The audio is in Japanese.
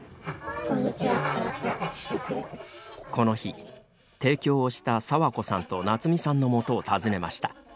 この日、提供をした佐和子さんと夏美さんのもとを訪ねました。